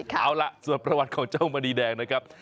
เอาล่ะส่วนประวัติของเจ้ามณีแดงนะครับ